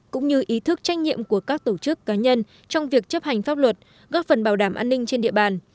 cũng như ý thức trách nhiệm của các tổ chức cá nhân trong việc chấp hành pháp luật góp phần bảo đảm an ninh trên địa bàn